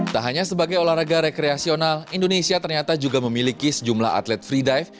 tak hanya sebagai olahraga rekreasional indonesia ternyata juga memiliki sejumlah atlet free dive